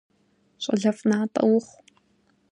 Щӏалэфӏ натӏэ ухъу!